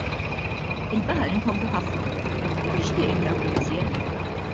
Il-baħar inħobbu ħafna u nixtieq ingawdih iżjed.